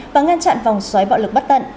và ngăn chặn vòng xoáy bạo lực bất tận